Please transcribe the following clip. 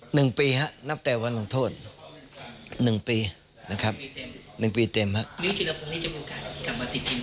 หนึ่งปีฮะนับแต่วันลงโทษหนึ่งปีนะครับหนึ่งปีเต็มฮะ